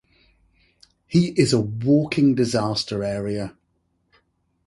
He is a walking disaster area.